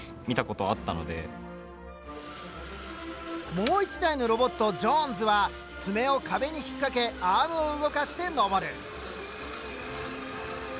もう一台のロボット「ジョーンズ」は爪を壁に引っ掛けアームを動かして上る。